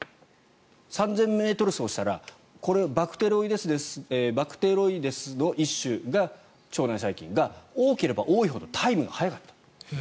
３０００ｍ走したらバクテロイデスの一種が腸内細菌が、多ければ多いほどタイムが速かった。